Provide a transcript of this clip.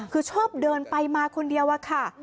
คือชอบเดินไปมาคนเดียวอะค่ะ